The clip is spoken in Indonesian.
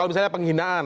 kalau misalnya penghinaan